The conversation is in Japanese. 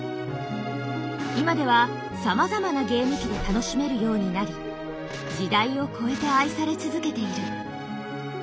今ではさまざまなゲーム機で楽しめるようになり時代を超えて愛され続けている。